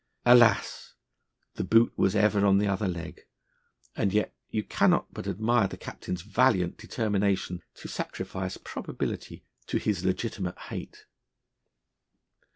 Alas! the boot was ever on the other leg; and yet you cannot but admire the Captain's valiant determination to sacrifice probability to his legitimate hate.